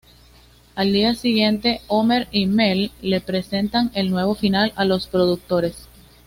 Al día siguiente, Homer y Mel le presentan el nuevo final a los productores.